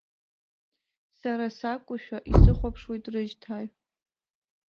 Сара сакәушәа исыхәаԥшуеит рыжьҭааҩ.